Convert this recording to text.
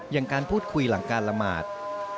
อย่างการพูดคุยหลังการละหมาด